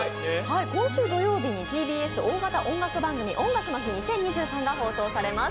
今週土曜日にＴＢＳ大型音楽番組「音楽の日２０２３」が放送されます。